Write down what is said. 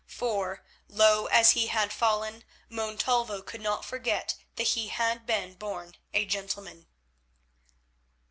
For, low as he had fallen, Montalvo could not forget that he had been born a gentleman.